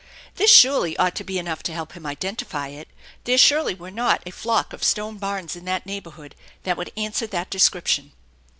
This surely ought to be enough to help him identify it. There surely were not a flock of stone barns in that neighborhood that would answer that description.